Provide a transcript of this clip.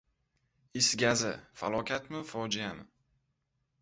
Is gazi: falokatmi, fojiami?